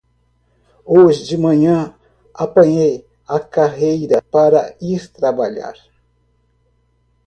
Hoje de manhã apanhei a carreira para ir trabalhar.